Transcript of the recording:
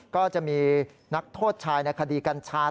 ก็จะมีนักโทษชายในคดีกัญชา